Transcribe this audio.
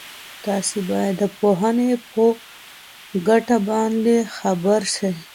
تاسو باید د پوهني په ګټه باندي خبر سئ.